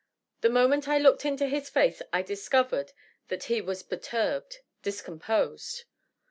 The moment I looked into his &ce I discovered that he was perturbed, discomposed.